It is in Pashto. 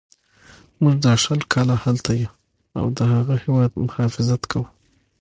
موږ دا شل کاله هلته یو او د هغه هیواد مخافظت کوو.